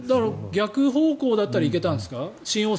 逆方向だったら行けたんですか？